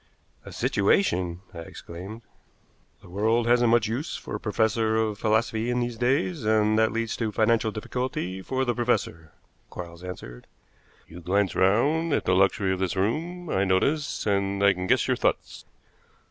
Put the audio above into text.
"A situation!" I exclaimed. "The world hasn't much use for a professor of philosophy in these days, and that leads to financial difficulty for the professor," Quarles answered. "You glance round at the luxury of this room, I notice, and I can guess your thoughts.